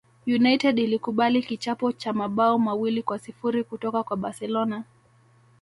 united ilikubali kichapo cha mabao mawili kwa sifuri kutoka kwa barcelona